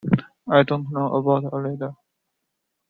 I don’t know about a lady.